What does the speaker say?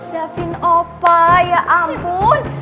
daffin opa ya ampun